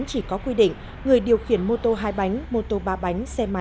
chỉ có quy định người điều khiển mô tô hai bánh mô tô ba bánh